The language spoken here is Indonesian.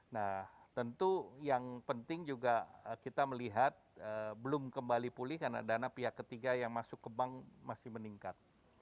nah tentu yang penting juga kita melihat belum kembali pulih karena dana pihak ketiga yang masuk ke bank masih meningkat